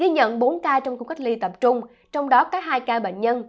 ghi nhận bốn ca trong khu cách ly tập trung trong đó có hai ca bệnh nhân